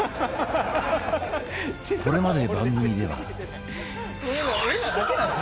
これまで番組では